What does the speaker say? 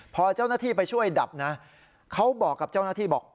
พอเจ้าหน้าที่ไปช่วยดับนะเขาบอกกับเจ้าหน้าที่บอก